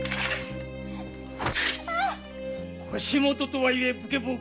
腰元とはいえ武家奉公。